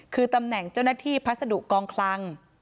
คือตำแหน่งเจ้าหน้าที่พัสดุกองคลัง